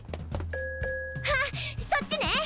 あっそっちね？